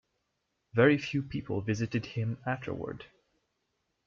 Very few people visited him afterward.